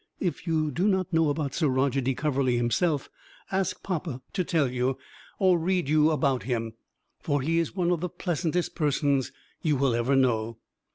(If you do not know about Sir Roger de Coverley himself, ask papa to tell you or read you about him, for he is one of the pleasantest persons you will ever know.)